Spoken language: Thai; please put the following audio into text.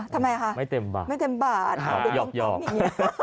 ทำไมคะไม่เต็มบาทหยอกอย่างนี้